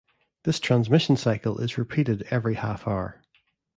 This transmission cycle is repeated every half-hour.